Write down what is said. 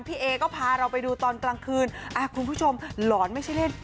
เอก็พาเราไปดูตอนกลางคืนคุณผู้ชมหลอนไม่ใช่เล่น